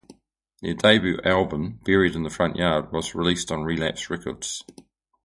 Their debut album "Buried In The Front Yard" was released on Relapse Records.